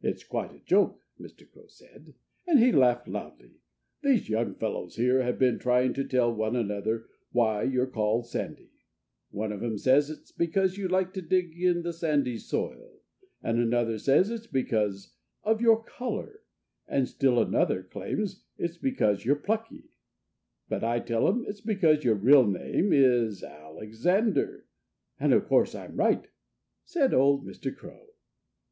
"It's quite a joke," Mr. Crow said. And he laughed loudly. "These young fellows here have been trying to tell one another why you're called Sandy. One of 'em says it's because you like to dig in the sandy soil; and another says it's because of your color; and still another claims it's because you're plucky. But I tell 'em it's because your real name is Alexander. And of course I'm right," said old Mr. Crow.